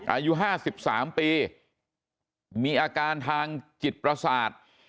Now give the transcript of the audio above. อายุ๕๓ปีมีอาการทางจิตประสาท